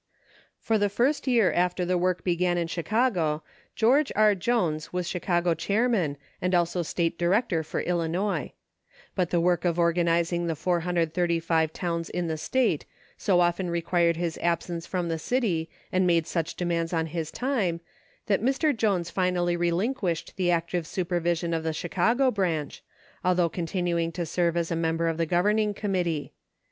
For the first year after the work began in Chicago George R. Jones was Chicago Chairman and also State Director for Illinois. But the work of organizing the 435 towns in the State so often required his absence from the city and made such demands on his time that Mr. Jones finally relinquished the active supervision of the Chicago branch, although continuing to serve as a mem ber of the Governing Committee.